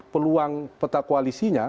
peluang peta koalisinya